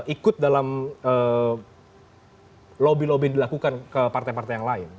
ikut dalam lobby lobby yang dilakukan ke partai partai yang lain